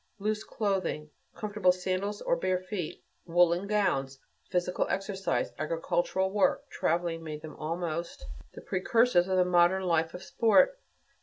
Loose clothing, comfortable sandals, or bare feet, woolen gowns, physical exercise, agricultural work, traveling, made them almost the precursors of the modern life of sport.